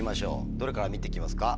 どれから見て行きますか？